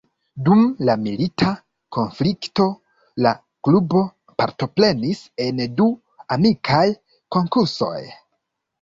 Dum la milita konflikto, la klubo partoprenis en du amikaj konkursoj.